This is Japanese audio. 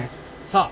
さあ。